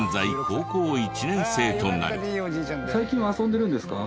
最近は遊んでるんですか？